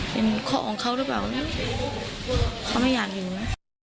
เป็นข้อของเขาหรือเปล่านะเขาไม่อยากอยู่นะ